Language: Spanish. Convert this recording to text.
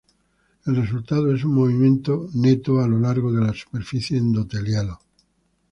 El resultado es un movimiento neto a lo largo de la superficie endotelial.